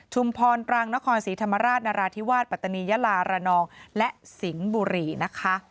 พรตรังนครศรีธรรมราชนราธิวาสปัตตานียาลาระนองและสิงห์บุรีนะคะ